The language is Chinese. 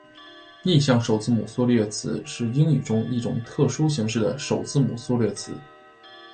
逆向首字母缩略词是英语中一种特殊形式的首字母缩略词。